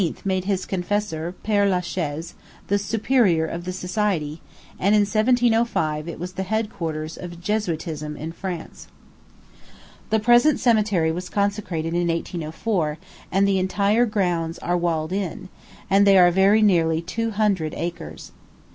made his confessor, Père la Chaise, the superior of the society; and in 1705 it was the head quarters of Jesuitism in France. The present cemetery was consecrated in 1804; and the entire grounds are walled in, and they are very nearly two hundred acres.